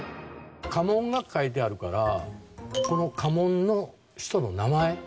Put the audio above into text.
家紋が書いてあるからこの家紋の人の名前。